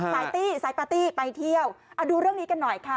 สายตี้สายปาร์ตี้ไปเที่ยวดูเรื่องนี้กันหน่อยค่ะ